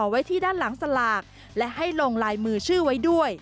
ไว้ที่ด้านหลังสลากและให้ลงลายมือชื่อไว้ด้วย